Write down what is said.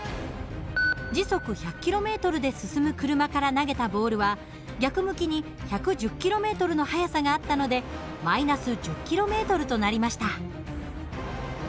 時速１００ｋｍで進む車から投げたボールは逆向きに１１０ｋｍの速さがあったので−１０ｋｍとなりました。